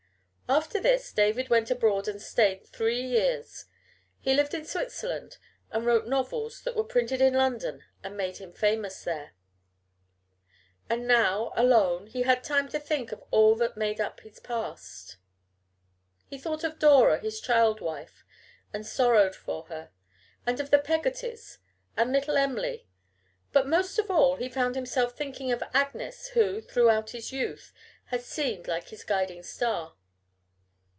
After this David went abroad and stayed three years. He lived in Switzerland, and wrote novels that were printed in London and made him famous there. And now, alone, he had time to think of all that made up his past. He thought of Dora, his child wife, and sorrowed for her, and of the Peggottys and little Em'ly; but most of all he found himself thinking of Agnes, who, throughout his youth, had seemed like his guiding star.